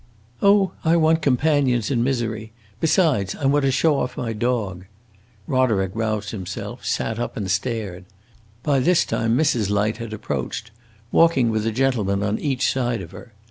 "Oh, I want companions in misery! Besides, I want to show off my dog." Roderick roused himself, sat up, and stared. By this time Mrs. Light had approached, walking with a gentleman on each side of her.